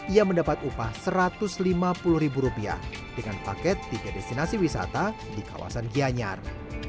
ia mendapat upah rp satu ratus lima puluh ribu rupiah dengan paket tiga destinasi wisata di kawasan gianyar